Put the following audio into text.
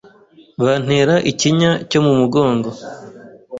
Bantera ikinya cyo mu mugongo